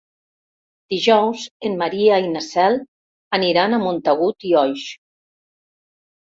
Dijous en Maria i na Cel aniran a Montagut i Oix.